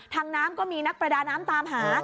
น้ำก็มีนักประดาน้ำตามหา